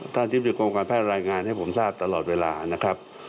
อธิบดีกรมการแพทย์รายงานให้ผมทราบตลอดเวลานะครับ